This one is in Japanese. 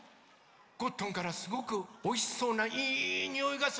ゴットンからすごくおいしそうないいにおいがするでござんすね。